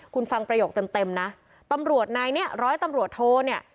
คุณฟังประโยคเต็มเต็มนะตำรวจนายเนี้ยร้อยตำรวจโทเนี่ย